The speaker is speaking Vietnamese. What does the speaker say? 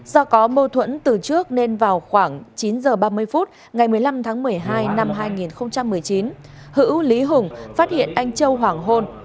do có mâu thuẫn từ trước nên vào khoảng chín h ba mươi phút ngày một mươi năm tháng một mươi hai năm hai nghìn một mươi chín hữu lý hùng phát hiện anh châu hoàng hôn